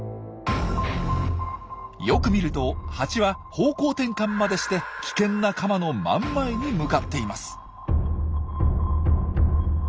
よく見るとハチは方向転換までして危険なカマの真ん前に向かっています。